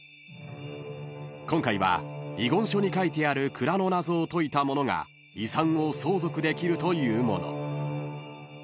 ［今回は遺言書に書いてある蔵の謎を解いた者が遺産を相続できるというもの］